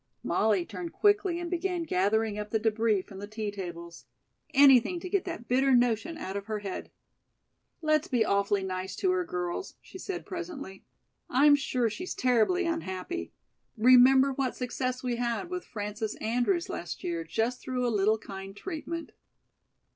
Molly turned quickly and began gathering up the débris from the tea tables. Anything to get that bitter notion out of her head. "Let's be awfully nice to her, girls," she said presently. "I'm sure she's terribly unhappy. Remember what success we had with Frances Andrews last year just through a little kind treatment."